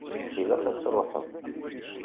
Ilaq ad tṛuḥeḍ.